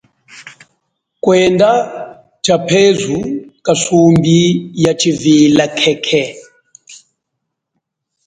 Kwenda tshaphezu kasumbi yatshivila khekhe.